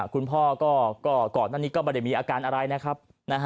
คุณพ่อก็ก่อนหน้านี้ก็ไม่ได้มีอาการอะไรนะครับ